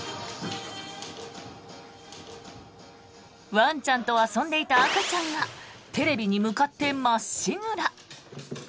ワンちゃんと遊んでいた赤ちゃんがテレビに向かってまっしぐら。